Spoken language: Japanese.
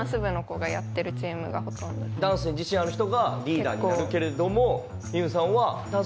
ダンスに自信がある人がリーダーになるけれども。